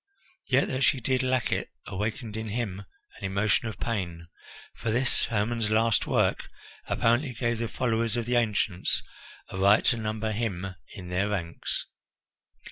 Yet that she did lack it awakened in him an emotion of pain, for this, Hermon's last work, apparently gave the followers of the ancients a right to number him in their ranks.